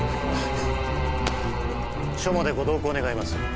署までご同行願います